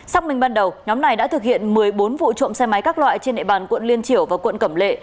xác minh ban đầu nhóm này đã thực hiện một mươi bốn vụ trộm xe máy các loại trên địa bàn quận liên triểu và quận cẩm lệ